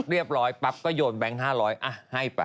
เรียบร้อยปั๊บก็โยนแบงค์๕๐๐ให้ไป